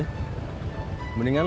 gua mau minum alih